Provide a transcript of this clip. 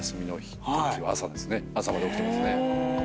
朝まで起きてますね。